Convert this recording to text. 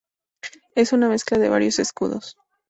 Es una mezcla de varios escudos.